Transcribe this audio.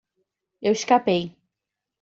Eu escapei